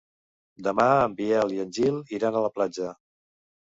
Demà en Biel i en Gil iran a la platja.